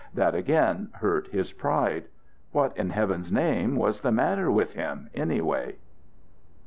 That again hurt his pride. What in heaven's name was the matter with him anyway!